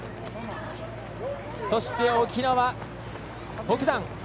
そして、沖縄、北山。